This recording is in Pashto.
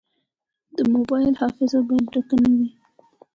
د موبایل حافظه باید ډکه نه وي.